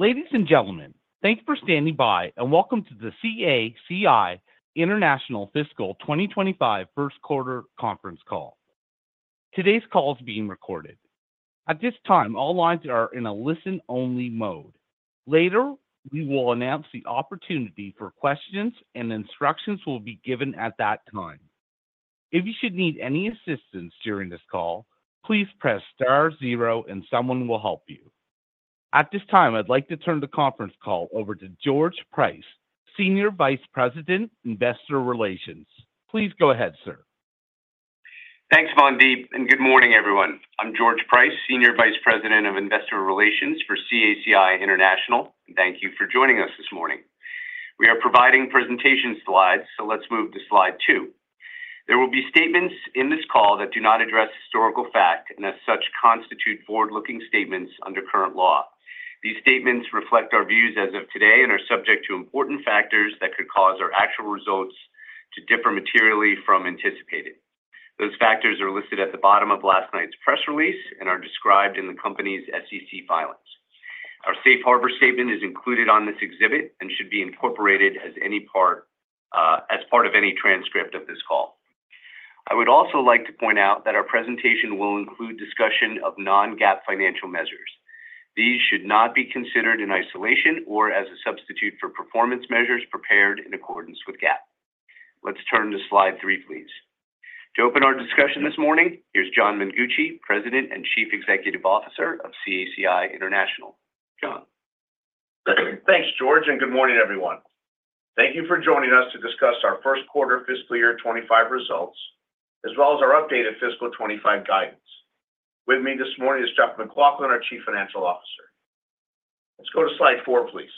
Ladies and gentlemen, thank you for standing by, and welcome to the CACI International Fiscal 2025 First Quarter Conference Call. Today's call is being recorded. At this time, all lines are in a listen-only mode. Later, we will announce the opportunity for questions, and instructions will be given at that time. If you should need any assistance during this call, please press star zero, and someone will help you. At this time, I'd like to turn the conference call over to George Price, Senior Vice President, Investor Relations. Please go ahead, sir. Thanks, Mandeep, and good morning, everyone. I'm George Price, Senior Vice President of Investor Relations for CACI International. Thank you for joining us this morning. We are providing presentation slides, so let's move to slide two. There will be statements in this call that do not address historical fact, and as such, constitute forward-looking statements under current law. These statements reflect our views as of today and are subject to important factors that could cause our actual results to differ materially from anticipated. Those factors are listed at the bottom of last night's press release and are described in the company's SEC filings. Our safe harbor statement is included on this exhibit and should be incorporated as any part, as part of any transcript of this call. I would also like to point out that our presentation will include discussion of non-GAAP financial measures. These should not be considered in isolation or as a substitute for performance measures prepared in accordance with GAAP. Let's turn to slide three, please. To open our discussion this morning, here's John Mengucci, President and Chief Executive Officer of CACI International. John? Thanks, George, and good morning, everyone. Thank you for joining us to discuss our first quarter fiscal year twenty-five results, as well as our updated fiscal twenty-five guidance. With me this morning is Jeff MacLauchlan, our Chief Financial Officer. Let's go to slide four, please.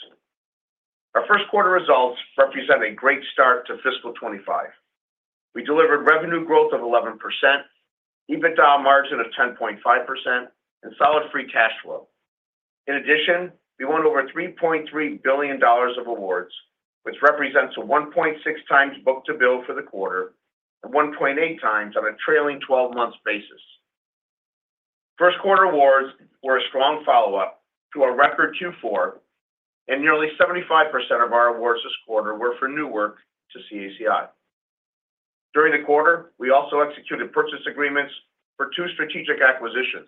Our first quarter results represent a great start to fiscal twenty-five. We delivered revenue growth of 11%, EBITDA margin of 10.5%, and solid free cash flow. In addition, we won over $3.3 billion of awards, which represents a 1.6 times book-to-bill for the quarter and 1.8 times on a trailing twelve months basis. First quarter awards were a strong follow-up to our record Q4, and nearly 75% of our awards this quarter were for new work to CACI. During the quarter, we also executed purchase agreements for two strategic acquisitions,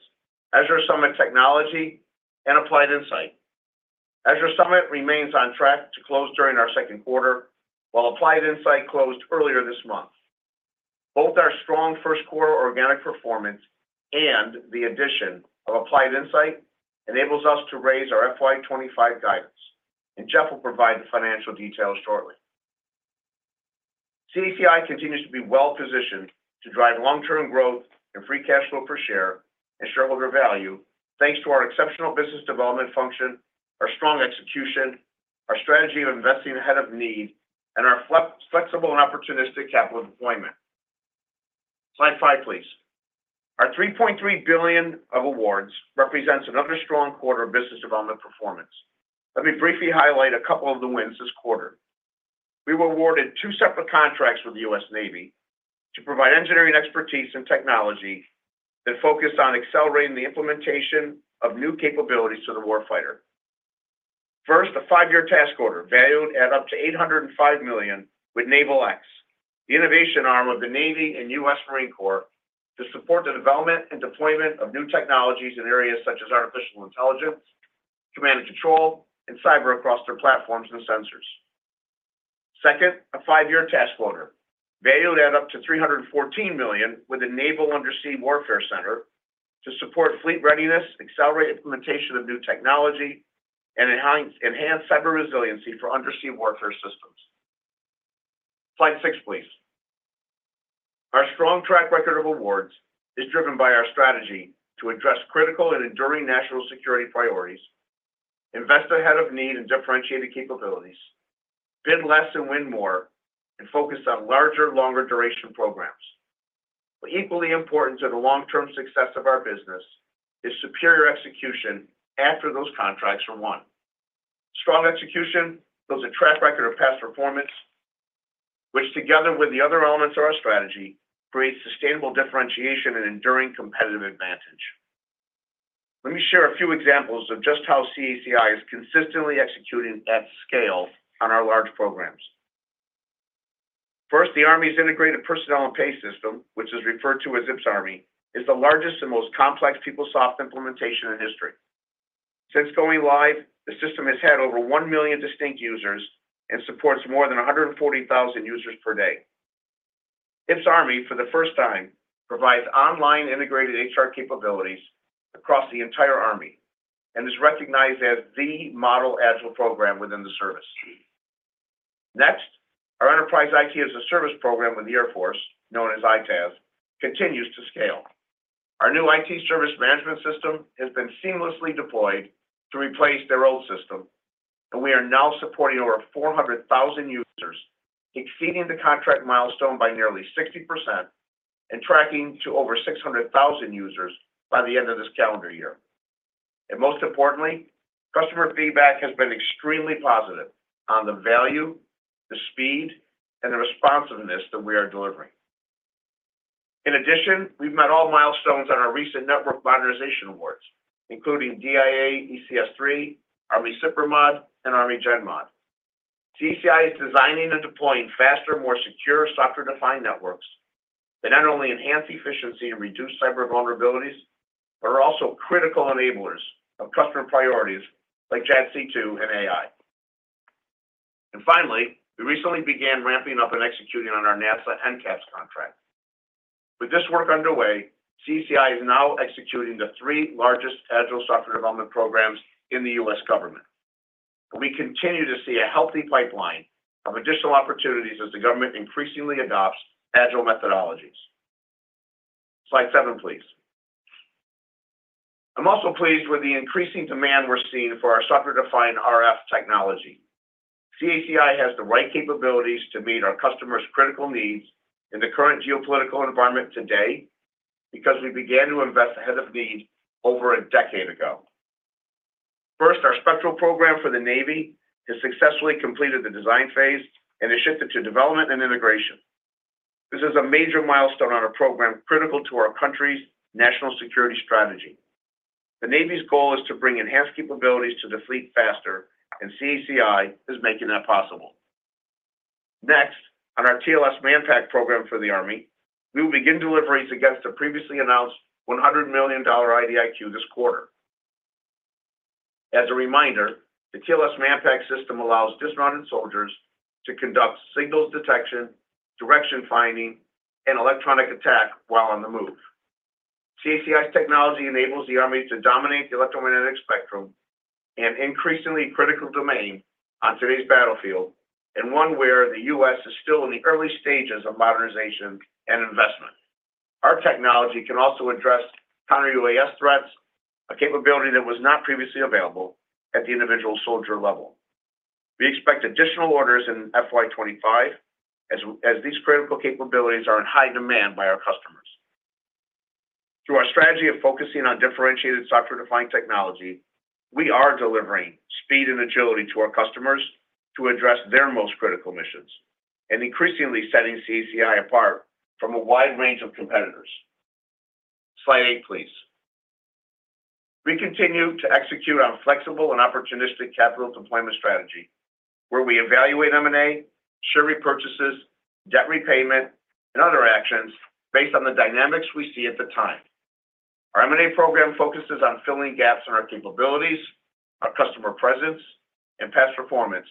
Azure Summit Technology and Applied Insight. Azure Summit remains on track to close during our second quarter, while Applied Insight closed earlier this month. Both our strong first quarter organic performance and the addition of Applied Insight enables us to raise our FY twenty-five guidance, and Jeff will provide the financial details shortly. CACI continues to be well-positioned to drive long-term growth and free cash flow per share and shareholder value, thanks to our exceptional business development function, our strong execution, our strategy of investing ahead of need, and our flexible and opportunistic capital deployment. Slide five, please. Our 3.3 billion of awards represents another strong quarter of business development performance. Let me briefly highlight a couple of the wins this quarter. We were awarded two separate contracts with the U.S. Navy to provide engineering expertise and technology that focused on accelerating the implementation of new capabilities to the warfighter. First, a five-year task order valued at up to $805 million with NavalX, the innovation arm of the Navy and U.S. Marine Corps, to support the development and deployment of new technologies in areas such as artificial intelligence, command and control, and cyber across their platforms and sensors. Second, a five-year task order valued at up to $314 million with the Naval Undersea Warfare Center to support fleet readiness, accelerate implementation of new technology, and enhance cyber resiliency for undersea warfare systems. Slide six, please. Our strong track record of awards is driven by our strategy to address critical and enduring national security priorities, invest ahead of need in differentiated capabilities, bid less and win more, and focus on larger, longer-duration programs, but equally important to the long-term success of our business is superior execution after those contracts are won. Strong execution builds a track record of past performance, which, together with the other elements of our strategy, creates sustainable differentiation and enduring competitive advantage. Let me share a few examples of just how CACI is consistently executing at scale on our large programs. First, the Army's Integrated Personnel and Pay System, which is referred to as IPPS-Army, is the largest and most complex PeopleSoft implementation in history. Since going live, the system has had over 1 million distinct users and supports more than 140,000 users per day. IPPS-A, for the first time, provides online integrated HR capabilities across the entire Army and is recognized as the model agile program within the service. Next, our Enterprise IT-as-a-Service program with the Air Force, known as ITaaS, continues to scale. Our new IT service management system has been seamlessly deployed to replace their old system, and we are now supporting over 400,000 users, exceeding the contract milestone by nearly 60% and tracking to over 600,000 users by the end of this calendar year. And most importantly, customer feedback has been extremely positive on the value, the speed, and the responsiveness that we are delivering. In addition, we've met all milestones on our recent network modernization awards, including DIA ECS 3, Army SIPR Mod, and Army GENMOD. CACI is designing and deploying faster, more secure software-defined networks that not only enhance efficiency and reduce cyber vulnerabilities, but are also critical enablers of customer priorities like JADC2 and AI. And finally, we recently began ramping up and executing on our NASA NCAPS contract. With this work underway, CACI is now executing the three largest agile software development programs in the U.S. government. We continue to see a healthy pipeline of additional opportunities as the government increasingly adopts agile methodologies. Slide seven, please. I'm also pleased with the increasing demand we're seeing for our software-defined RF technology. CACI has the right capabilities to meet our customers' critical needs in the current geopolitical environment today, because we began to invest ahead of need over a decade ago. First, our Spectral program for the Navy has successfully completed the design phase and has shifted to development and integration. This is a major milestone on a program critical to our country's national security strategy. The Navy's goal is to bring enhanced capabilities to the fleet faster, and CACI is making that possible. Next, on our TLS Manpack program for the Army, we will begin deliveries against the previously announced $100 million IDIQ this quarter. As a reminder, the TLS Manpack system allows dismounted soldiers to conduct signals detection, direction finding, and electronic attack while on the move. CACI's technology enables the Army to dominate the electromagnetic spectrum and increasingly critical domain on today's battlefield, and one where the US is still in the early stages of modernization and investment. Our technology can also address counter-UAS threats, a capability that was not previously available at the individual soldier level. We expect additional orders in FY twenty-five, as these critical capabilities are in high demand by our customers. Through our strategy of focusing on differentiated software-defined technology, we are delivering speed and agility to our customers to address their most critical missions, and increasingly setting CACI apart from a wide range of competitors. Slide eight, please. We continue to execute our flexible and opportunistic capital deployment strategy, where we evaluate M&A, share repurchases, debt repayment, and other actions based on the dynamics we see at the time. Our M&A program focuses on filling gaps in our capabilities, our customer presence, and past performance.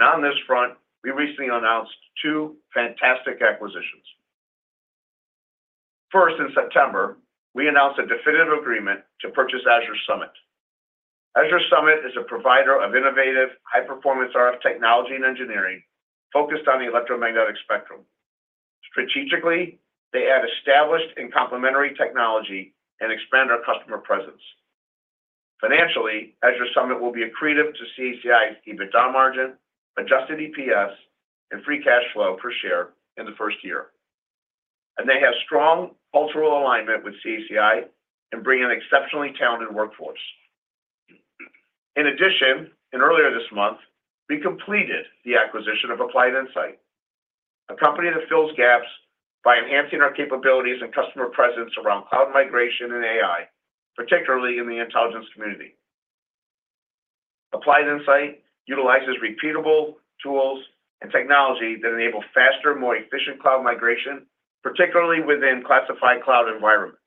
On this front, we recently announced two fantastic acquisitions. First, in September, we announced a definitive agreement to purchase Azure Summit. Azure Summit is a provider of innovative, high-performance RF technology and engineering focused on the electromagnetic spectrum. Strategically, they add established and complementary technology and expand our customer presence. Financially, Azure Summit will be accretive to CACI's EBITDA margin, adjusted EPS, and free cash flow per share in the first year, and they have strong cultural alignment with CACI and bring an exceptionally talented workforce. In addition, and earlier this month, we completed the acquisition of Applied Insight, a company that fills gaps by enhancing our capabilities and customer presence around cloud migration and AI, particularly in the intelligence community. Applied Insight utilizes repeatable tools and technology that enable faster, more efficient cloud migration, particularly within classified cloud environments.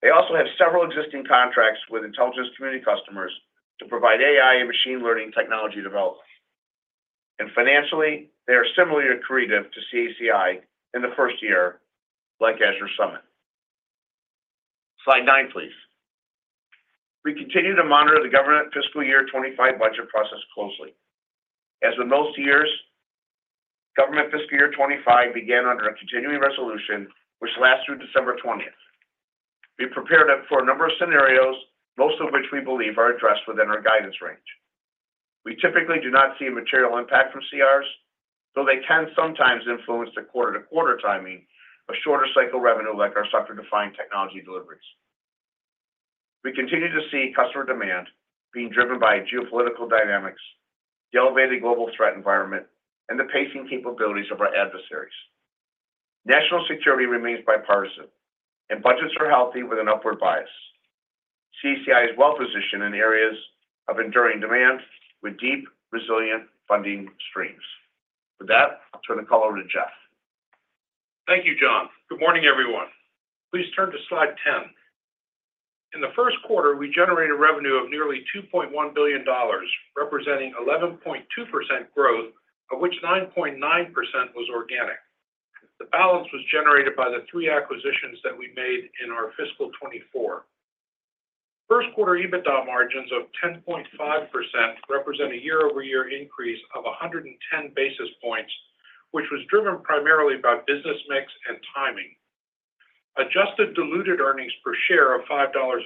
They also have several existing contracts with intelligence community customers to provide AI and machine learning technology development, and financially, they are similarly accretive to CACI in the first year, like Azure Summit. Slide nine, please. We continue to monitor the government fiscal year twenty-five budget process closely. As with most years, government fiscal year twenty-five began under a continuing resolution, which lasts through December twentieth. We prepared it for a number of scenarios, most of which we believe are addressed within our guidance range. We typically do not see a material impact from CRs, though they can sometimes influence the quarter-to-quarter timing of shorter cycle revenue, like our software-defined technology deliveries. We continue to see customer demand being driven by geopolitical dynamics, the elevated global threat environment, and the pacing capabilities of our adversaries. National security remains bipartisan, and budgets are healthy with an upward bias. CACI is well-positioned in areas of enduring demand with deep, resilient funding streams. With that, I'll turn the call over to Jeff. Thank you, John. Good morning, everyone. Please turn to slide 10. In the first quarter, we generated revenue of nearly $2.1 billion, representing 11.2% growth, of which 9.9% was organic. The balance was generated by the three acquisitions that we made in our fiscal 2024. First quarter EBITDA margins of 10.5% represent a year-over-year increase of 110 basis points, which was driven primarily by business mix and timing. Adjusted diluted earnings per share of $5.93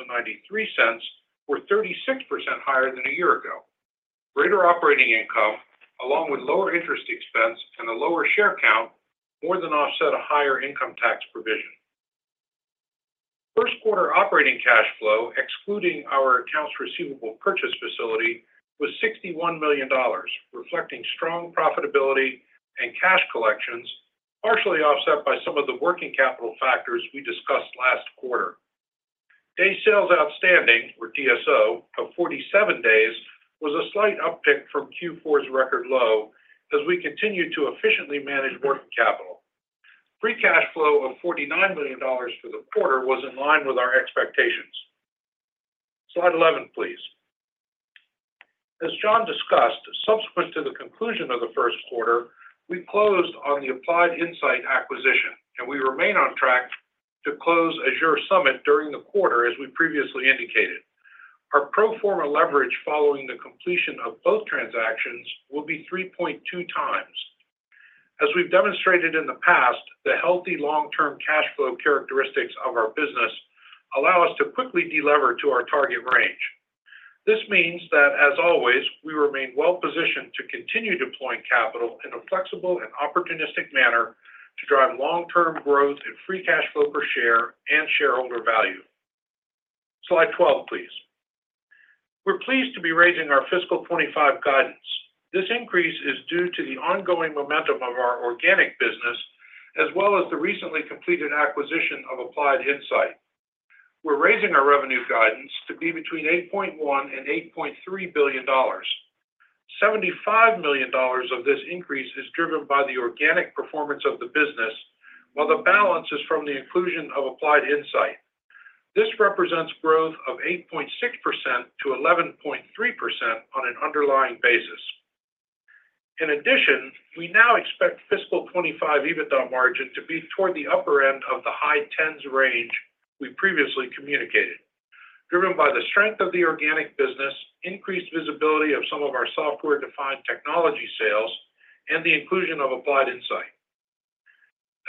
were 36% higher than a year ago. Greater operating income, along with lower interest expense and a lower share count, more than offset a higher income tax provision.... First quarter operating cash flow, excluding our accounts receivable purchase facility, was $61 million, reflecting strong profitability and cash collections, partially offset by some of the working capital factors we discussed last quarter. Day sales outstanding, or DSO, of 47 days, was a slight uptick from Q4's record low as we continued to efficiently manage working capital. Free cash flow of $49 million for the quarter was in line with our expectations. Slide 11, please. As John discussed, subsequent to the conclusion of the first quarter, we closed on the Applied Insight acquisition, and we remain on track to close Azure Summit during the quarter, as we previously indicated. Our pro forma leverage following the completion of both transactions will be 3.2 times. As we've demonstrated in the past, the healthy long-term cash flow characteristics of our business allow us to quickly deliver to our target range. This means that, as always, we remain well-positioned to continue deploying capital in a flexible and opportunistic manner to drive long-term growth in free cash flow per share and shareholder value. Slide 12, please. We're pleased to be raising our fiscal 2025 guidance. This increase is due to the ongoing momentum of our organic business, as well as the recently completed acquisition of Applied Insight. We're raising our revenue guidance to be between $8.1 billion and $8.3 billion. Seventy-five million dollars of this increase is driven by the organic performance of the business, while the balance is from the inclusion of Applied Insight. This represents growth of 8.6% to 11.3% on an underlying basis. In addition, we now expect fiscal 2025 EBITDA margin to be toward the upper end of the high tens range we previously communicated, driven by the strength of the organic business, increased visibility of some of our software-defined technology sales, and the inclusion of Applied Insight.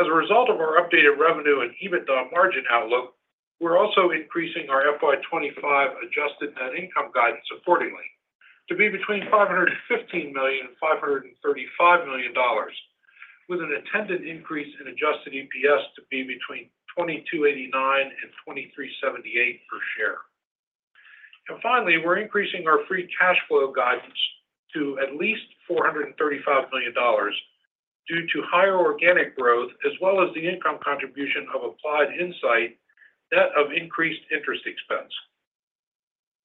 As a result of our updated revenue and EBITDA margin outlook, we're also increasing our FY 2025 adjusted net income guidance accordingly to be between $515 million and $535 million, with an intended increase in adjusted EPS to be between $22.89 and $23.78 per share. And finally, we're increasing our free cash flow guidance to at least $435 million due to higher organic growth, as well as the income contribution of Applied Insight, net of increased interest expense.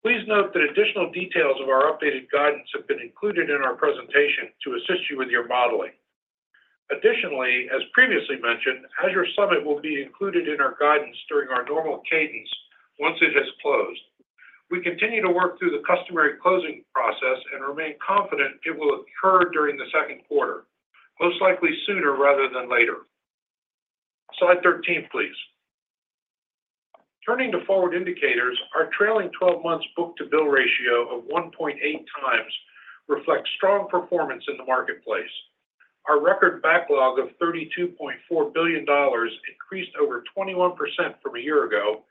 Please note that additional details of our updated guidance have been included in our presentation to assist you with your modeling. Additionally, as previously mentioned, Azure Summit will be included in our guidance during our normal cadence once it has closed. We continue to work through the customary closing process and remain confident it will occur during the second quarter, most likely sooner rather than later. Slide 13, please. Turning to forward indicators, our trailing twelve months book-to-bill ratio of 1.8 times reflects strong performance in the marketplace. Our record backlog of $32.4 billion increased over 21% from a year ago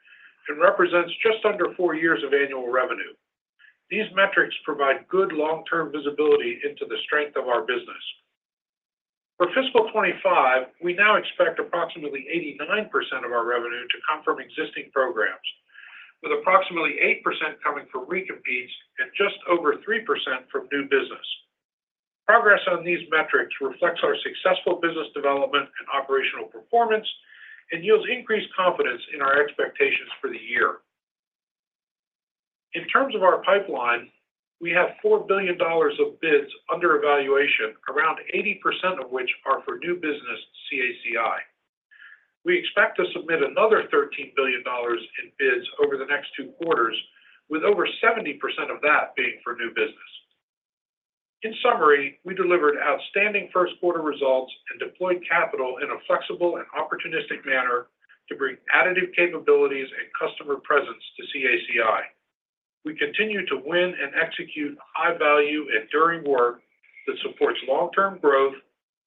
and represents just under four years of annual revenue. These metrics provide good long-term visibility into the strength of our business. For fiscal 2025, we now expect approximately 89% of our revenue to come from existing programs, with approximately 8% coming from recompetes and just over 3% from new business. Progress on these metrics reflects our successful business development and operational performance and yields increased confidence in our expectations for the year. In terms of our pipeline, we have $4 billion of bids under evaluation, around 80% of which are for new business CACI. We expect to submit another $13 billion in bids over the next two quarters, with over 70% of that being for new business. In summary, we delivered outstanding first quarter results and deployed capital in a flexible and opportunistic manner to bring additive capabilities and customer presence to CACI. We continue to win and execute high value and enduring work that supports long-term growth,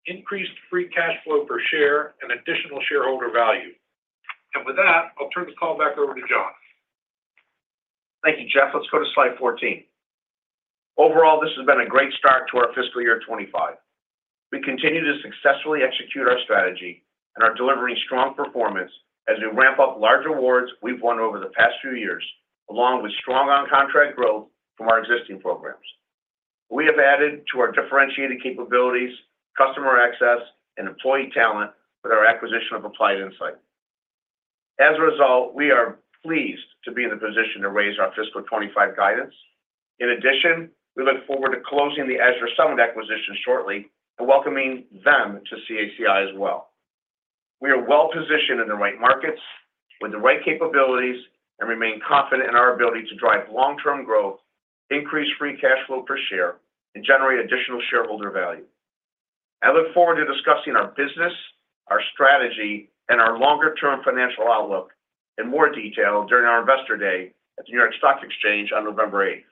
increased free cash flow per share, and additional shareholder value. And with that, I'll turn the call back over to John. Thank you, Jeff. Let's go to slide 14. Overall, this has been a great start to our fiscal year 2025. We continue to successfully execute our strategy and are delivering strong performance as we ramp up large awards we've won over the past few years, along with strong on-contract growth from our existing programs. We have added to our differentiated capabilities, customer access, and employee talent with our acquisition of Applied Insight. As a result, we are pleased to be in the position to raise our fiscal 2025 guidance. In addition, we look forward to closing the Azure Summit acquisition shortly and welcoming them to CACI as well. We are well-positioned in the right markets with the right capabilities and remain confident in our ability to drive long-term growth, increase free cash flow per share, and generate additional shareholder value. I look forward to discussing our business, our strategy, and our longer-term financial outlook in more detail during our Investor Day at the New York Stock Exchange on November eighth.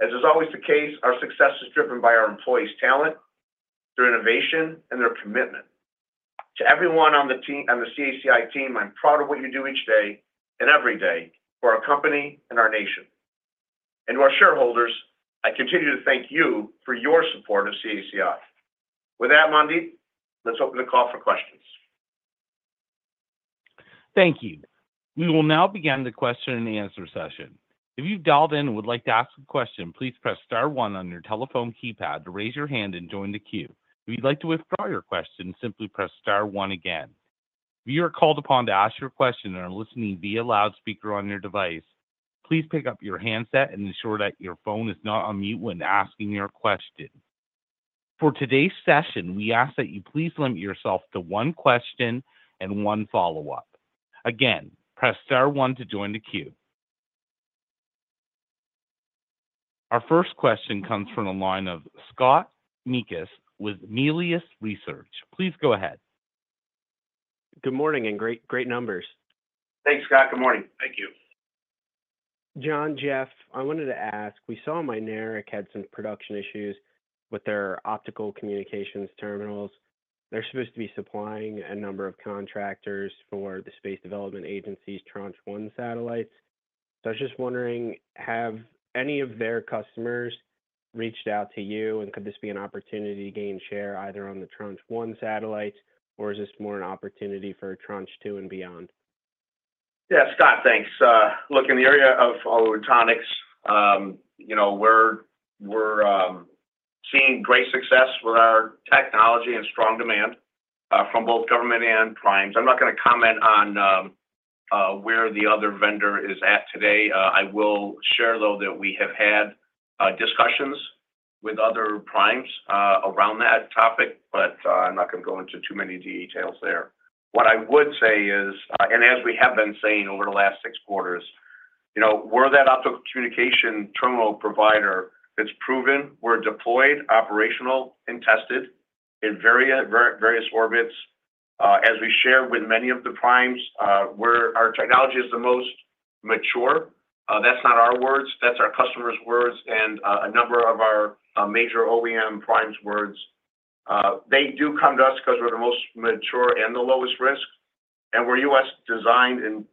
As is always the case, our success is driven by our employees' talent, their innovation, and their commitment. To everyone on the team, on the CACI team, I'm proud of what you do each day and every day for our company and our nation... and to our shareholders, I continue to thank you for your support of CACI. With that, Mandeep, let's open the call for questions. Thank you. We will now begin the question and answer session. If you've dialed in and would like to ask a question, please press star one on your telephone keypad to raise your hand and join the queue. If you'd like to withdraw your question, simply press star one again. If you are called upon to ask your question and are listening via loudspeaker on your device, please pick up your handset and ensure that your phone is not on mute when asking your question. For today's session, we ask that you please limit yourself to one question and one follow-up. Again, press star one to join the queue. Our first question comes from the line of Scott Mikus with Melius Research. Please go ahead. Good morning, and great, great numbers. Thanks, Scott. Good morning. Thank you. John, Jeff, I wanted to ask, we saw Mynaric had some production issues with their optical communications terminals. They're supposed to be supplying a number of contractors for the Space Development Agency's Tranche 1 satellites. So I was just wondering, have any of their customers reached out to you, and could this be an opportunity to gain share either on the Tranche 1 satellites, or is this more an opportunity for Tranche 2 and beyond? Yeah, Scott, thanks. Look, in the area of photonics, you know, we're seeing great success with our technology and strong demand from both government and primes. I'm not gonna comment on where the other vendor is at today. I will share, though, that we have had discussions with other primes around that topic, but I'm not gonna go into too many details there. What I would say is, and as we have been saying over the last six quarters, you know, we're that optical communication terminal provider that's proven we're deployed, operational, and tested in various orbits. As we share with many of the primes, our technology is the most mature. That's not our words, that's our customers' words and a number of our major OEM primes words. They do come to us 'cause we're the most mature and the lowest risk, and we're U.S. designed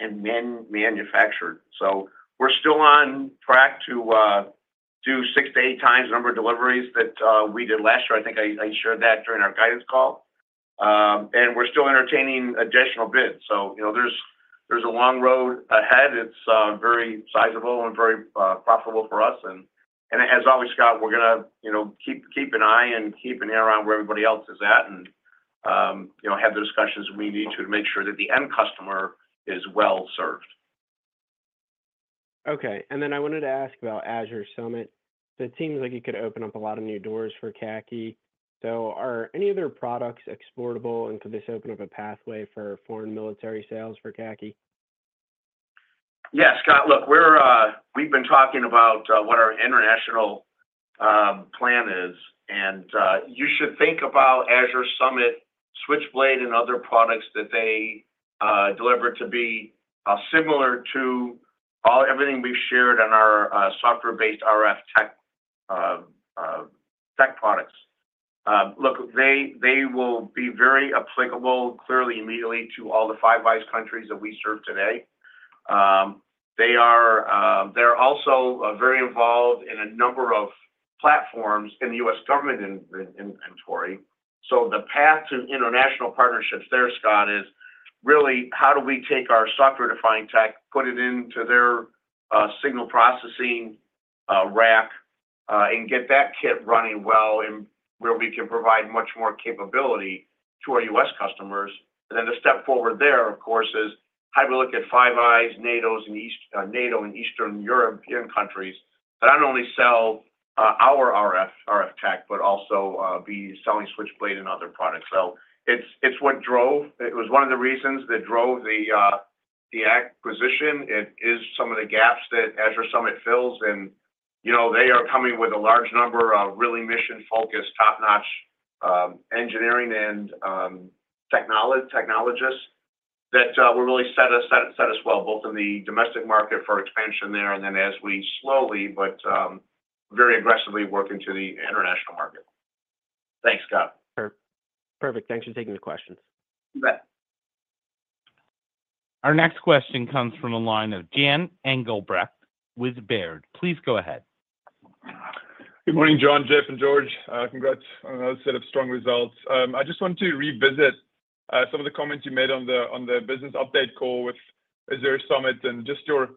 and manufactured, so we're still on track to do six to eight times the number of deliveries that we did last year. I think I shared that during our guidance call, and we're still entertaining additional bids, so you know, there's a long road ahead. It's very sizable and very profitable for us, and as always, Scott, we're gonna, you know, keep an eye and keep an ear on where everybody else is at and, you know, have the discussions we need to make sure that the end customer is well served. Okay, and then I wanted to ask about Azure Summit. It seems like it could open up a lot of new doors for CACI. Are any of their products exportable, and could this open up a pathway for foreign military sales for CACI? Yeah, Scott. Look, we're, we've been talking about what our international plan is, and you should think about Azure Summit, Switchblade, and other products that they deliver to be similar to all everything we've shared on our software-based RF tech products. Look, they will be very applicable, clearly, immediately to all the Five Eyes countries that we serve today. They are, they're also very involved in a number of platforms in the U.S. government inventory. So the path to international partnerships there, Scott, is really how do we take our software-defined tech, put it into their signal processing rack, and get that kit running well, and where we can provide much more capability to our U.S. customers. And then the step forward there, of course, is how do we look at Five Eyes, NATO's, and Eastern European countries, but not only sell our RF tech, but also be selling Switchblade and other products. So it's what drove - it was one of the reasons that drove the acquisition. It is some of the gaps that Azure Summit fills, and you know, they are coming with a large number of really mission-focused, top-notch engineering and technologists that will really set us well both in the domestic market for expansion there, and then as we slowly but very aggressively work into the international market. Thanks, Scott. Sure. Perfect. Thanks for taking the questions. You bet. Our next question comes from the line of Jan Engelbrecht with Baird. Please go ahead. Good morning, John, Jeff, and George. Congrats on another set of strong results. I just wanted to revisit some of the comments you made on the business update call with Azure Summit and just your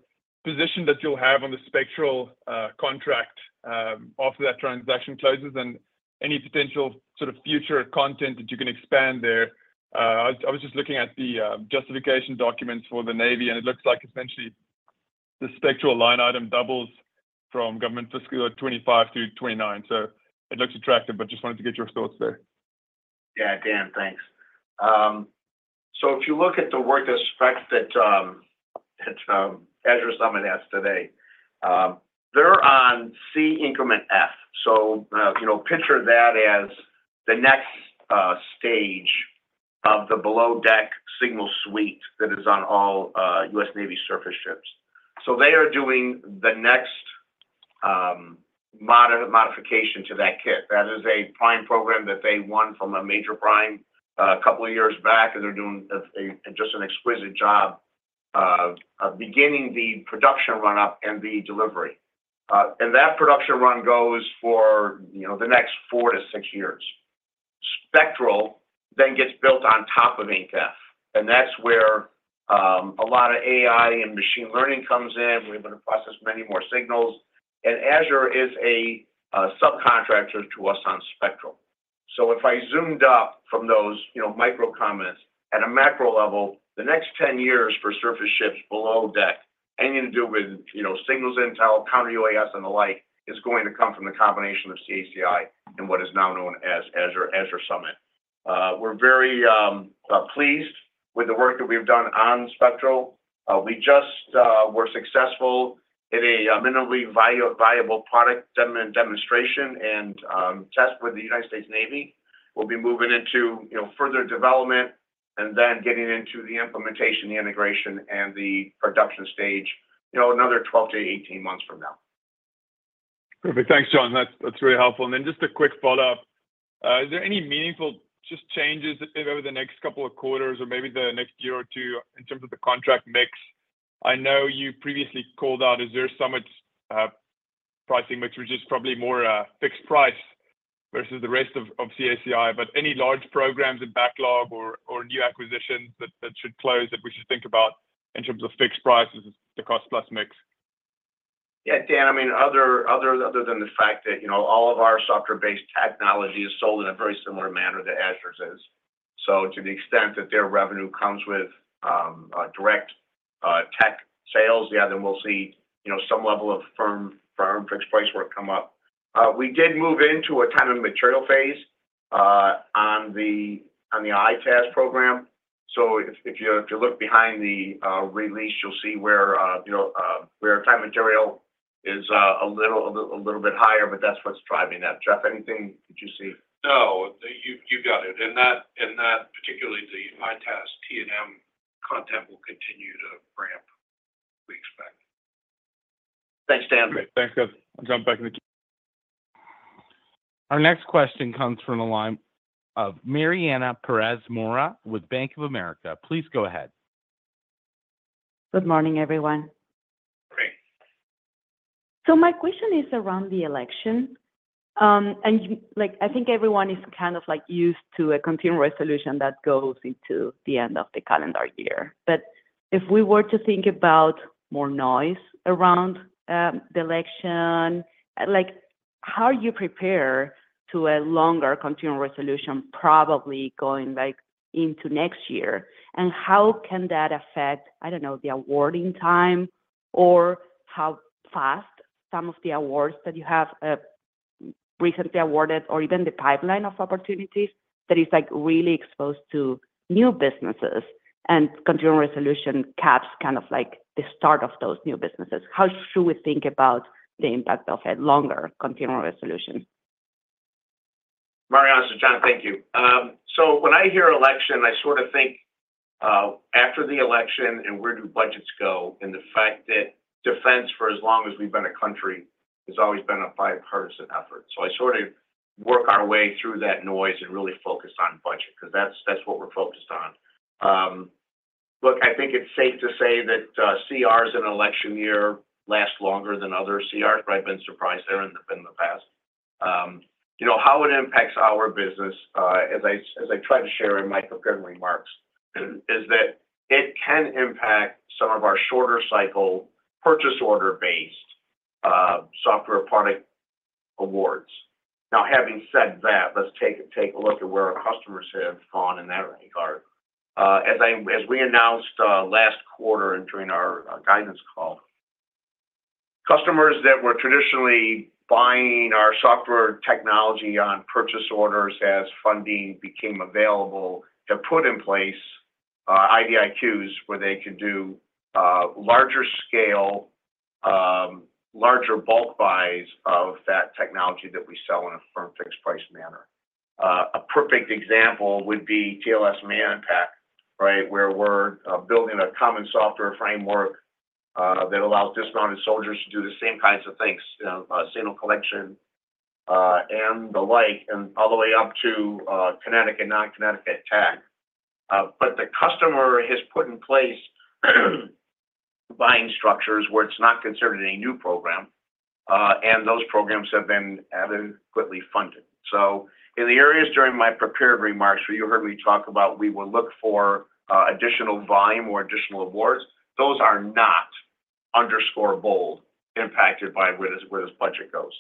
position that you'll have on the spectral contract after that transaction closes and any potential sort of future content that you can expand there. I was just looking at the justification documents for the Navy, and it looks like essentially the spectral line item doubles from government fiscal year twenty-five through twenty-nine. So it looks attractive, but just wanted to get your thoughts there. Yeah, Jan, thanks. So if you look at the work specs that Azure Summit has today, they're on SSEE Increment F. So, you know, picture that as the next stage of the below deck signal suite that is on all US Navy surface ships. So they are doing the next modification to that kit. That is a prime program that they won from a major prime a couple of years back, and they're doing just an exquisite job of beginning the production run-up and the delivery. And that production run goes for, you know, the next four to six years. Spectral then gets built on top of Inc F, and that's where a lot of AI and machine learning comes in. We're able to process many more signals, and Azure is a subcontractor to us on Spectral. So if I zoomed up from those, you know, micro comments, at a macro level, the next 10 years for surface ships below deck, anything to do with, you know, signals intel, counter UAS, and the like, is going to come from the combination of CACI and what is now known as Azure, Azure Summit. We're very pleased with the work that we've done on Spectral. We just were successful in a minimally viable product demonstration and test with the United States Navy. We'll be moving into, you know, further development and then getting into the implementation, the integration, and the production stage, you know, another 12 to 18 months from now. Perfect. Thanks, John. That's, that's really helpful. And then just a quick follow-up. Is there any meaningful, just changes over the next couple of quarters or maybe the next year or two in terms of the contract mix? I know you previously called out Azure Summit, pricing mix, which is probably more, fixed price versus the rest of, of CACI, but any large programs in backlog or new acquisitions that should close, that we should think about in terms of fixed price versus the cost plus mix? Yeah, Dan, I mean, other than the fact that, you know, all of our software-based technology is sold in a very similar manner to Azure's is. So to the extent that their revenue comes with direct tech sales, yeah, then we'll see, you know, some level of firm fixed price work come up. We did move into a time and material phase on the ITaaS program. So if you look behind the release, you'll see where time and material is a little bit higher, but that's what's driving that. Jeff, anything that you see? No, you've got it, and that, particularly the ITaaS T&M content, will continue to ramp, we expect. Thanks, Dan. Great. Thanks, guys. I'll jump back in the queue. Our next question comes from the line of Mariana Perez Mora with Bank of America. Please go ahead. Good morning, everyone. Great. So my question is around the election. And, like, I think everyone is kind of, like, used to a Continuing Resolution that goes into the end of the calendar year. But if we were to think about more noise around the election, like, how are you prepared to a longer Continuing Resolution, probably going, like, into next year? And how can that affect, I don't know, the awarding time or how fast some of the awards that you have recently awarded, or even the pipeline of opportunities that is, like, really exposed to new businesses and Continuing Resolution caps, kind of like the start of those new businesses? How should we think about the impact of a longer Continuing Resolution? Mariana, so John, thank you. So when I hear election, I sort of think, after the election and where do budgets go, and the fact that defense, for as long as we've been a country, has always been a bipartisan effort. So I sort of work our way through that noise and really focus on budget, 'cause that's, that's what we're focused on. Look, I think it's safe to say that, CRs in an election year last longer than other CRs, but I've been surprised there in the, in the past. You know, how it impacts our business, as I, as I tried to share in my prepared remarks, is, is that it can impact some of our shorter cycle, purchase order-based, software product awards. Now, having said that, let's take a look at where our customers have gone in that regard. As we announced last quarter and during our guidance call, customers that were traditionally buying our software technology on purchase orders as funding became available have put in place IDIQs, where they could do larger scale larger bulk buys of that technology that we sell in a firm fixed price manner. A perfect example would be TLS Manpack, right? Where we're building a common software framework that allows dismounted soldiers to do the same kinds of things, you know, signal collection and the like, and all the way up to kinetic and non-kinetic attack. But the customer has put in place buying structures where it's not considered a new program, and those programs have been adequately funded. So in the areas during my prepared remarks where you heard me talk about we will look for additional volume or additional awards, those are not impacted by where this budget goes.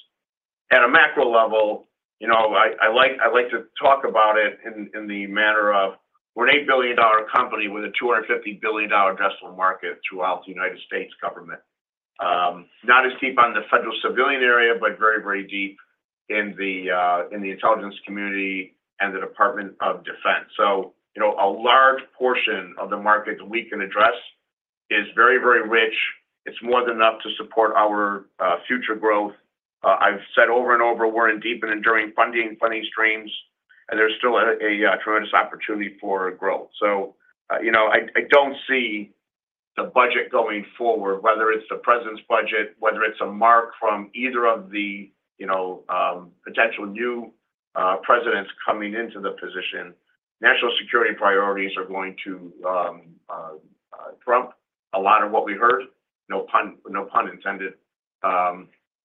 At a macro level, you know, I like to talk about it in the manner of we're an $8 billion company with a $250 billion addressable market throughout the United States government. Not as deep on the federal civilian area, but very, very deep in the intelligence community and the Department of Defense. So you know, a large portion of the market that we can address is very, very rich. It's more than enough to support our future growth. I've said over and over, we're in deep and enduring funding streams, and there's still a tremendous opportunity for growth. So, you know, I don't see the budget going forward, whether it's the president's budget, whether it's a mark from either of the, you know, potential new presidents coming into the position, national security priorities are going to trump a lot of what we heard, no pun intended.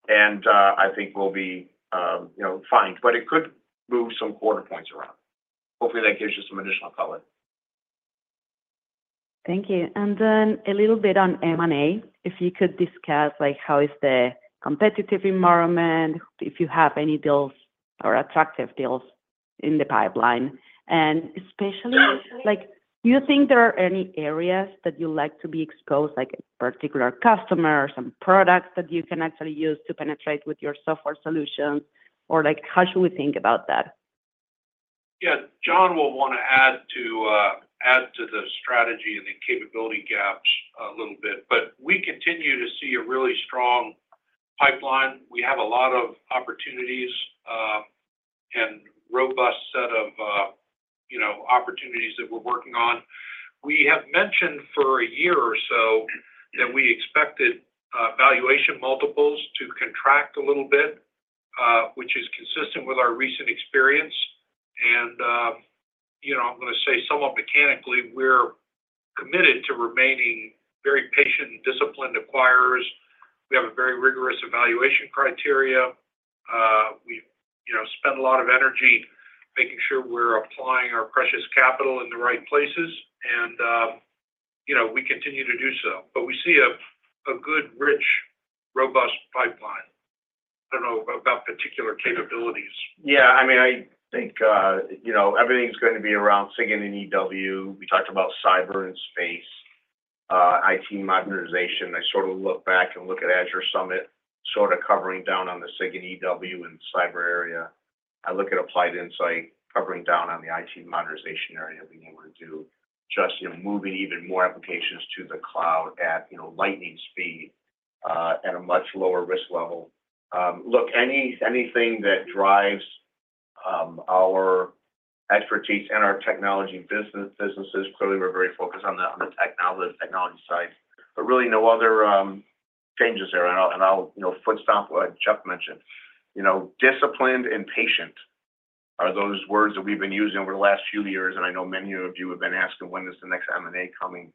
And, I think we'll be, you know, fine, but it could move some quarter points around. Hopefully, that gives you some additional color. Thank you. And then a little bit on M&A, if you could discuss, like, how is the competitive environment, if you have any deals or attractive deals in the pipeline? And especially, like, do you think there are any areas that you like to be exposed, like a particular customer or some products that you can actually use to penetrate with your software solutions? Or, like, how should we think about that? Yeah, John will want to add to the strategy and the capability gaps a little bit, but we continue to see a really strong pipeline. We have a lot of opportunities, and robust set of, you know, opportunities that we're working on. We have mentioned for a year or so that we expected valuation multiples to contract a little bit, which is consistent with our recent experience, and, you know, I'm gonna say somewhat mechanically, we're committed to remaining very patient and disciplined acquirers. We have a very rigorous evaluation criteria. We, you know, spend a lot of energy making sure we're applying our precious capital in the right places, and, you know, we continue to do so. But we see a good, rich, robust pipeline. I don't know about particular capabilities. Yeah, I mean, I think, you know, everything's going to be around SIG and EW. We talked about cyber and space, IT modernization. I sort of look back and look at Azure Summit, sort of covering down on the SIG and EW and cyber area. I look at Applied Insight covering down on the IT modernization area, being able to do just, you know, moving even more applications to the cloud at, you know, lightning speed, at a much lower risk level. Look, anything that drives our expertise and our technology businesses, clearly, we're very focused on the, on the technology, the technology side, but really no other changes there. And I'll, you know, foot stomp what Jeff mentioned. You know, disciplined and patient are those words that we've been using over the last few years, and I know many of you have been asking, "When is the next M&A coming?"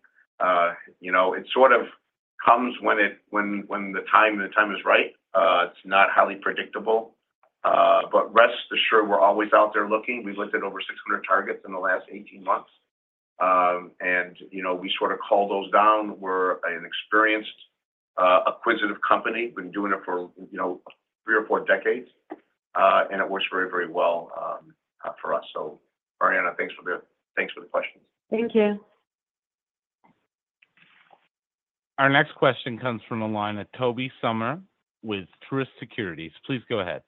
You know, it sort of comes when the time is right. It's not highly predictable, but rest assured, we're always out there looking. We've looked at over six hundred targets in the last eighteen months, and, you know, we sort of cull those down. We're an experienced, acquisitive company. We've been doing it for, you know, three or four decades, and it works very, very well for us. So, Mariana, thanks for the questions. Thank you. Our next question comes from the line of Toby Sommer with Truist Securities. Please go ahead.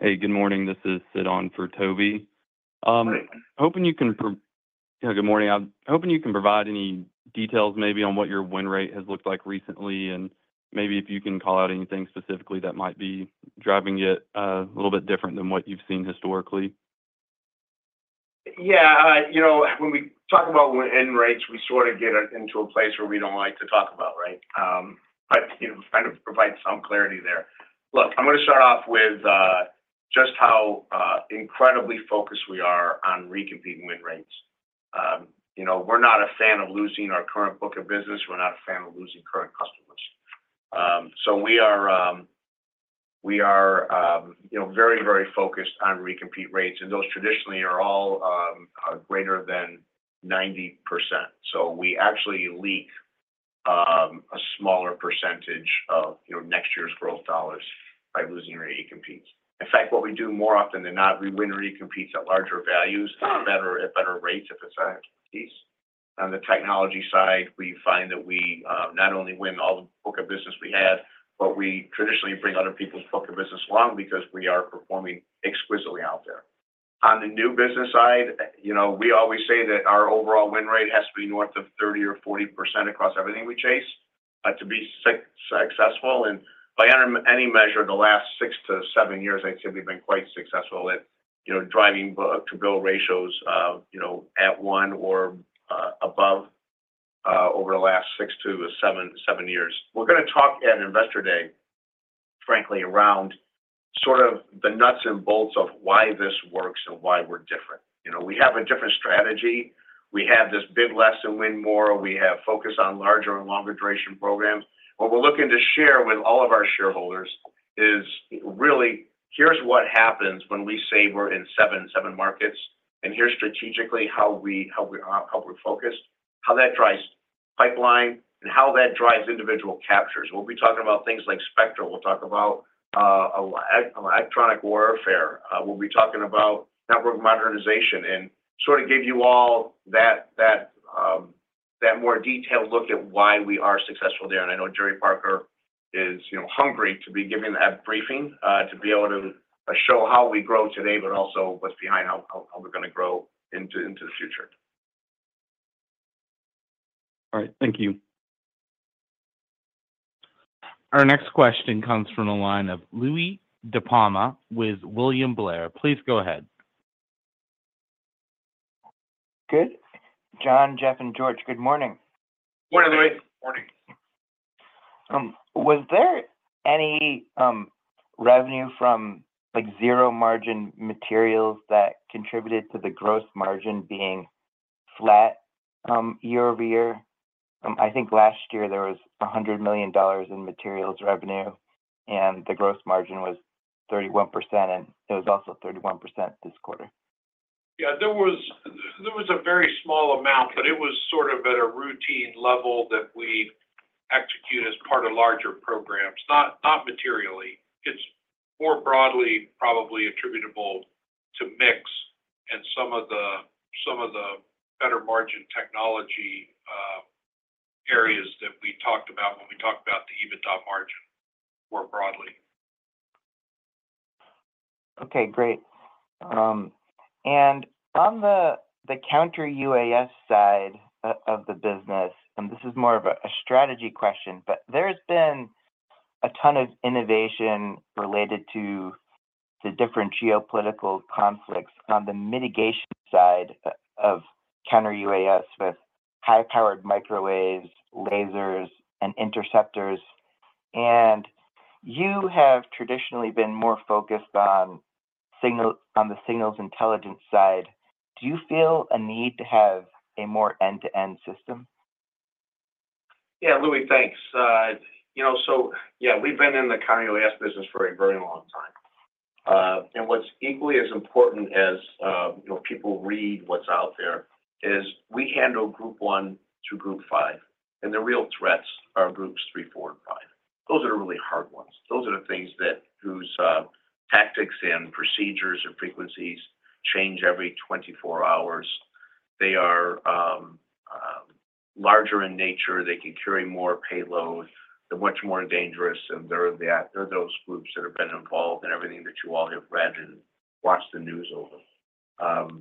Hey, good morning. This is Sid on for Toby. Hey. Yeah, good morning. I'm hoping you can provide any details maybe on what your win rate has looked like recently, and maybe if you can call out anything specifically that might be driving it, a little bit different than what you've seen historically. Yeah, you know, when we talk about win rates, we sort of get into a place where we don't like to talk about, right? But, you know, kind of provide some clarity there. Look, I'm gonna start off with just how incredibly focused we are on recompeting win rates. You know, we're not a fan of losing our current book of business. We're not a fan of losing current customers. So we are, you know, very, very focused on recompete rates, and those traditionally are all greater than 90%. So we actually leak a smaller percentage of, you know, next year's growth dollars by losing our recompetes. In fact, what we do more often than not, we win recompetes at larger values, at better rates, if it's priced. On the technology side, we find that we not only win all the book of business we had, but we traditionally bring other people's book of business along because we are performing exquisitely out there. On the new business side, you know, we always say that our overall win rate has to be north of 30 or 40% across everything we chase to be successful. By any measure, in the last six to seven years, I'd say we've been quite successful at, you know, driving book-to-bill ratios, you know, at one or above over the last six to seven years. We're gonna talk at Investor Day, frankly, around sort of the nuts and bolts of why this works and why we're different. You know, we have a different strategy. We have this bid less and win more. We have focus on larger and longer duration programs. What we're looking to share with all of our shareholders is really, here's what happens when we say we're in seven markets, and here's strategically how we're focused, how that drives pipeline and how that drives individual captures. We'll be talking about things like Spectral. We'll talk about electronic warfare. We'll be talking about network modernization and sort of give you all that more detailed look at why we are successful there. And I know Gerry Parker is, you know, hungry to be giving that briefing, to be able to show how we grow today, but also what's behind how we're gonna grow into the future. All right. Thank you. Our next question comes from the line of Louie DiPalma with William Blair. Please go ahead. Good. John, Jeff, and George, good morning. Good morning, Louie. Morning. Was there any, like, revenue from zero-margin materials that contributed to the gross margin being flat, year-over-year? I think last year there was $100 million in materials revenue, and the gross margin was 31%, and it was also 31% this quarter. Yeah, there was a very small amount, but it was sort of at a routine level that we execute as part of larger programs, not materially. It's more broadly probably attributable to mix and some of the better margin technology areas that we talked about when we talked about the EBITDA margin more broadly. Okay, great. And on the counter UAS side of the business, and this is more of a strategy question, but there's been a ton of innovation related to the different geopolitical conflicts on the mitigation side of counter UAS with high-powered microwaves, lasers, and interceptors. And you have traditionally been more focused on the signals intelligence side. Do you feel a need to have a more end-to-end system? Yeah, Louie, thanks. You know, so, yeah, we've been in the counter UAS business for a very long time. And what's equally as important as, you know, people read what's out there, is we handle Group 1 through Group 5, and the real threats are Groups 3, 4, and 5. Those are the really hard ones. Those are the things that, whose, tactics and procedures or frequencies change every twenty-four hours. They are, larger in nature. They can carry more payloads. They're much more dangerous, and they're those groups that have been involved in everything that you all have read and watched the news over.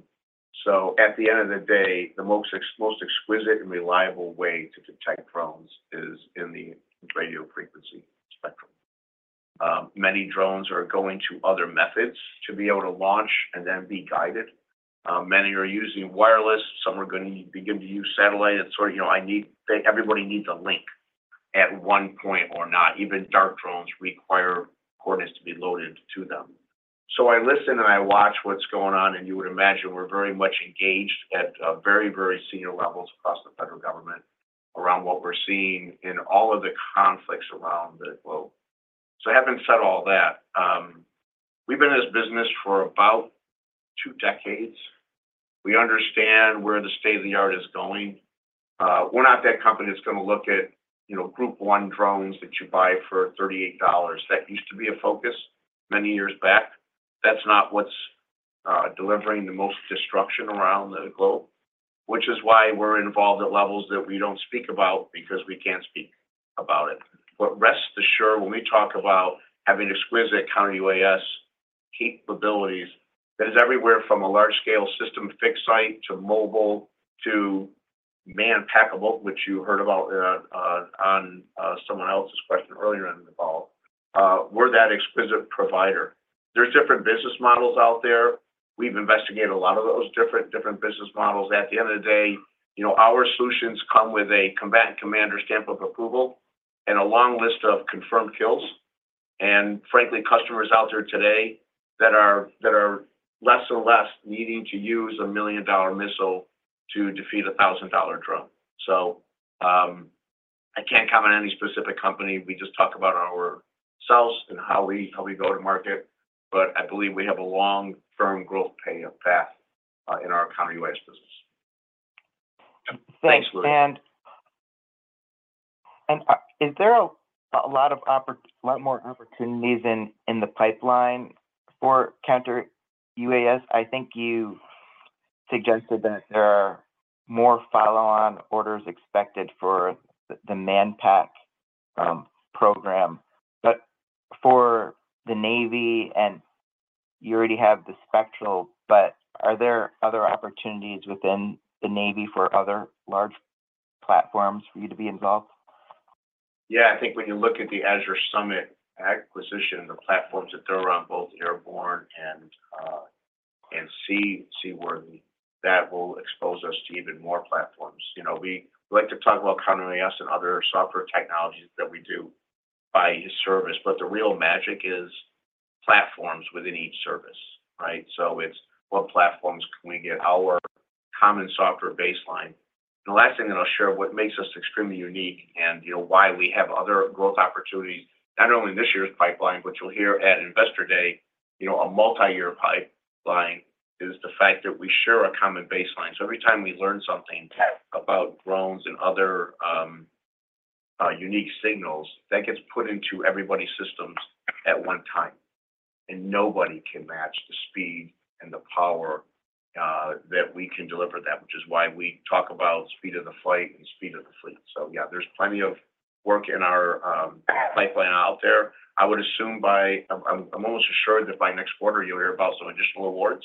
So at the end of the day, the most exquisite and reliable way to detect drones is in the radio frequency spectrum. Many drones are going to other methods to be able to launch and then be guided. Many are using wireless, some are gonna begin to use satellite. It's sort of, you know, everybody needs a link at one point or not. Even dark drones require coordinates to be loaded to them. So I listen and I watch what's going on, and you would imagine we're very much engaged at, very, very senior levels across the federal government around what we're seeing in all of the conflicts around the globe. So having said all that, we've been in this business for about two decades. We understand where the state of the art is going. We're not that company that's gonna look at, you know, Group 1 drones that you buy for $38. That used to be a focus many years back. That's not what's delivering the most destruction around the globe, which is why we're involved at levels that we don't speak about because we can't speak about it. But rest assured, when we talk about having exquisite counter-UAS capabilities, that is everywhere from a large scale system, fixed site to mobile to man-packable, which you heard about on someone else's question earlier in the call. We're that exquisite provider. There's different business models out there. We've investigated a lot of those different business models. At the end of the day, you know, our solutions come with a combatant commander stamp of approval and a long list of confirmed kills, and frankly, customers out there today that are less and less needing to use a $1 million missile to defeat a $1,000 drone. So, I can't comment on any specific company. We just talk about ourselves and how we go to market, but I believe we have a long, firm growth path in our counter-UAS business. Thanks. Thanks, Louis. Is there a lot more opportunities in the pipeline for counter-UAS? I think you suggested that there are more follow-on orders expected for the Manpack program. But for the Navy, and you already have the Spectral, but are there other opportunities within the Navy for other large platforms for you to be involved? Yeah, I think when you look at the Azure Summit acquisition, the platforms that they're on, both airborne and sea, seaworthy, that will expose us to even more platforms. You know, we like to talk about counter UAS and other software technologies that we do by service, but the real magic is platforms within each service, right? So it's what platforms can we get our common software baseline. The last thing that I'll share, what makes us extremely unique and, you know, why we have other growth opportunities, not only this year's pipeline, which you'll hear at Investor Day, you know, a multi-year pipeline, is the fact that we share a common baseline. So every time we learn something about drones and other, unique signals, that gets put into everybody's systems at one time, and nobody can match the speed and the power that we can deliver that. Which is why we talk about speed of the fight and speed of the fleet. Yeah, there's plenty of work in our pipeline out there. I would assume by... I'm almost assured that by next quarter you'll hear about some additional awards.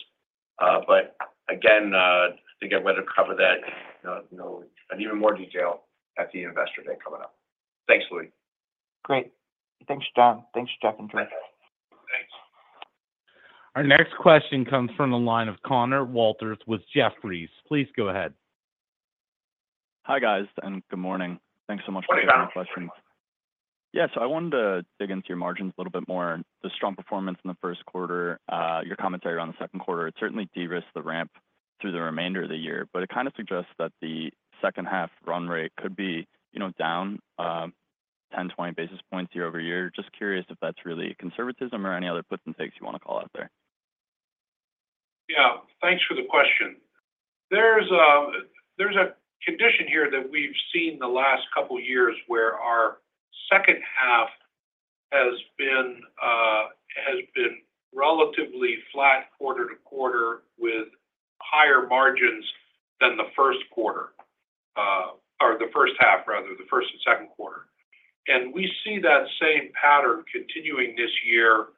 But again, I think I'm going to cover that, you know, in even more detail at the Investor Day coming up. Thanks, Louie. Great. Thanks, John. Thanks, Jeff and Drew. Thanks. Our next question comes from the line of Connor Walters with Jefferies. Please go ahead. Hi, guys, and good morning. Thanks so much- Morning, Connor. Yes, I wanted to dig into your margins a little bit more. The strong performance in the first quarter, your commentary on the second quarter, it certainly de-risks the ramp through the remainder of the year, but it kind of suggests that the second half run rate could be, you know, down 10-20 basis points year over year. Just curious if that's really conservatism or any other puts and takes you want to call out there? Yeah, thanks for the question. There's a condition here that we've seen the last couple of years where our second half has been relatively flat quarter to quarter, with higher margins than the first quarter, or the first half, rather, the first and second quarter. And we see that same pattern continuing this year,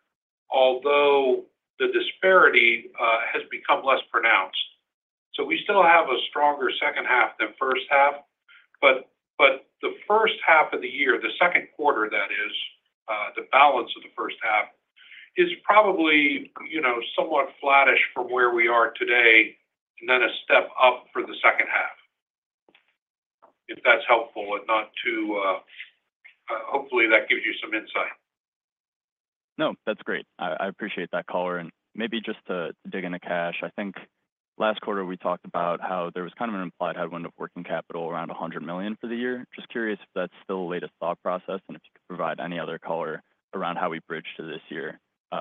although the disparity has become less pronounced. So we still have a stronger second half than first half, but the first half of the year, the second quarter that is, the balance of the first half is probably, you know, somewhat flattish from where we are today, and then a step up for the second half. If that's helpful and not to... Hopefully, that gives you some insight. No, that's great. I, I appreciate that color. And maybe just to dig into cash, I think last quarter we talked about how there was kind of an implied headwind of working capital around $100 million for the year. Just curious if that's still the latest thought process, and if you could provide any other color around how we bridge to this year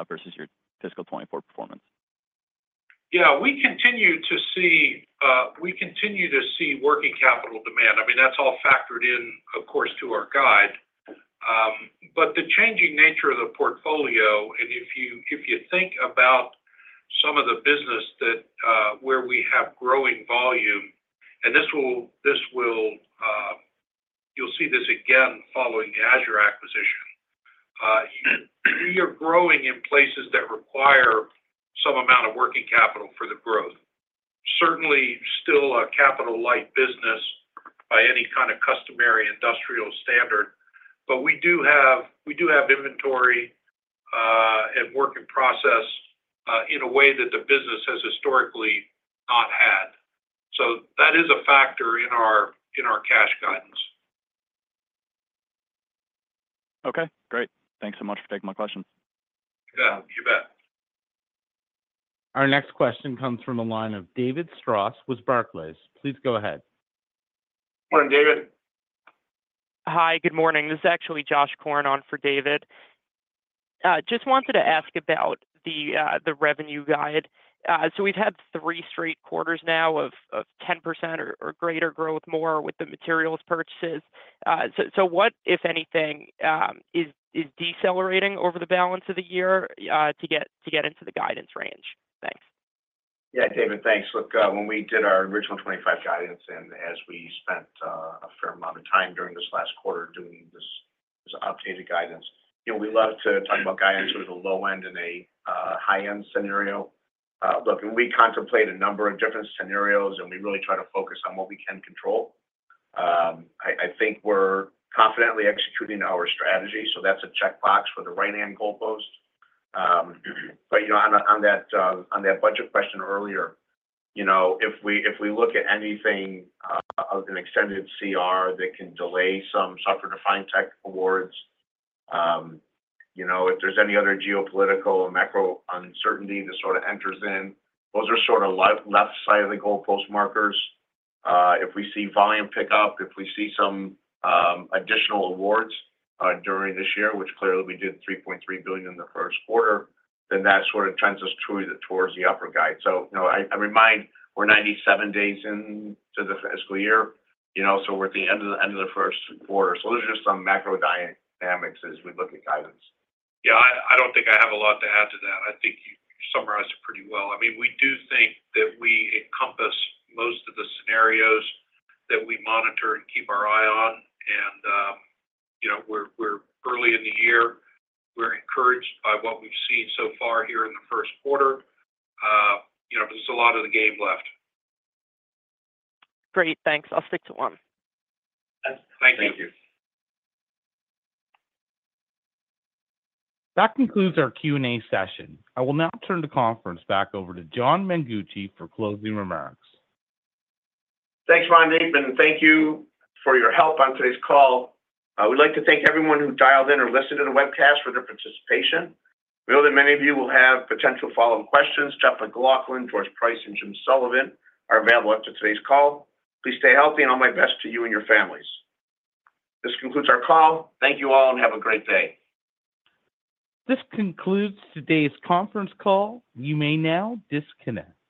versus your fiscal 2024 performance. Yeah, we continue to see working capital demand. I mean, that's all factored in, of course, to our guide. But the changing nature of the portfolio, and if you think about some of the business where we have growing volume, and this will, you'll see this again following the Azure acquisition. We are growing in places that require some amount of working capital for the growth. Certainly, still a capital-light business by any kind of customary industrial standard, but we do have inventory and work in process in a way that the business has historically not had. So that is a factor in our cash guidance. Okay, great. Thanks so much for taking my question. Yeah, you bet. Our next question comes from a line of David Strauss with Barclays. Please go ahead. Morning, David. Hi, good morning. This is actually Josh Korn on for David. Just wanted to ask about the revenue guide. So we've had three straight quarters now of 10% or greater growth, more with the materials purchases. So what, if anything, is decelerating over the balance of the year to get into the guidance range? Thanks. Yeah, David, thanks. Look, when we did our original 2025 guidance, and as we spent a fair amount of time during this last quarter doing this updated guidance, you know, we love to talk about guidance with a low end and a high-end scenario. Look, and we contemplate a number of different scenarios, and we really try to focus on what we can control. I think we're confidently executing our strategy, so that's a checkbox for the right-hand goalpost. But, you know, on that budget question earlier, you know, if we look at anything of an extended CR that can delay some software-defined tech awards, you know, if there's any other geopolitical or macro uncertainty that sort of enters in, those are sort of left side of the goalpost markers. If we see volume pick up, if we see some additional awards during this year, which clearly we did $3.3 billion in the first quarter, then that sort of trends us truly toward the upper guide. So, you know, I remind we're 97 days into the fiscal year, you know, so we're at the end of the first quarter. So those are just some macro dynamics as we look at guidance. Yeah, I don't think I have a lot to add to that. I think you summarized it pretty well. I mean, we do think that we encompass most of the scenarios that we monitor and keep our eye on, and, you know, we're early in the year. We're encouraged by what we've seen so far here in the first quarter. You know, there's a lot of the game left. Great, thanks. I'll stick to one. Thank you. Thank you. That concludes our Q&A session. I will now turn the conference back over to John Mengucci for closing remarks. Thanks, Ronnie, and thank you for your help on today's call. I would like to thank everyone who dialed in or listened to the webcast for their participation. We know that many of you will have potential follow-up questions. Jeff MacLauchlan, George Price, and Jim Sullivan are available after today's call. Please stay healthy, and all my best to you and your families. This concludes our call. Thank you all, and have a great day. This concludes today's conference call. You may now disconnect.